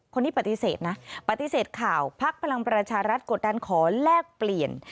คนนี้ปฏิเสธนะปฏิเสธข่าวพักพลังประชารัฐกดดันขอแลกเปลี่ยน